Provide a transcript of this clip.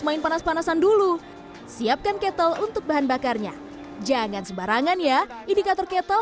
main panas panasan dulu siapkan ketel untuk bahan bakarnya jangan sembarangan ya indikator ketel